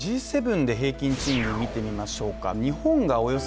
Ｇ７で平均賃金見てみましょうか。